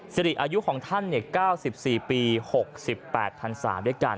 สิริอายุของท่าน๙๔ปี๖๘พันศาด้วยกัน